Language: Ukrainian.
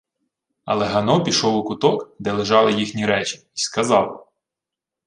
Але Гано пішов у куток, де лежали їхні речі, й сказав: